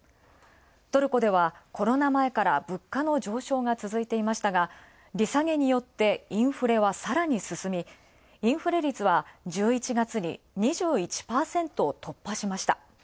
トルコでは、コロナ前から続いていますが、利下げによってインフレは更に進み、インフレ率は１１月に２１％突破しました。